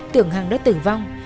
tưởng hằng đã tử vong